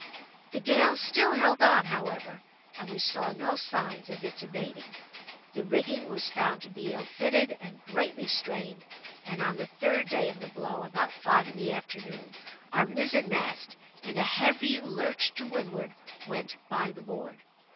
The gale still held on, however, and we saw no signs of its abating. The rigging was found to be ill fitted, and greatly strained; and on the third day of the blow, about five in the afternoon, our mizzen mast, in a heavy lurch to windward, went by the board.